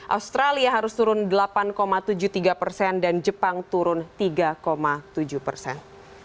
australia harus turun delapan tujuh puluh tiga persen dan jepang turun tiga tujuh persen